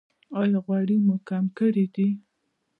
ایا غوړي مو کم کړي دي؟